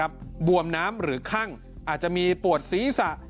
บวมน้ำหรือคั่งอาจจะมีปวดศีรษะ